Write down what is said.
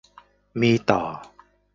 มีต่อ